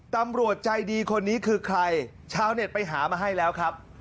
ตำรวจใจดีคนนี้คือใครชาวเน็ตไปหามาให้แล้วครับ